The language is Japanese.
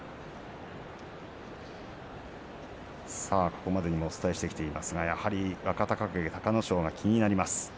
ここまでにもお伝えしてきていますが若隆景、隆の勝が気になります。